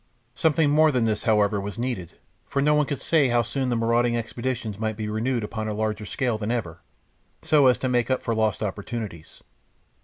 Something more than this, however, was needed, for no one could say how soon the marauding expeditions might be renewed upon a larger scale than ever, so as to make up for lost opportunities.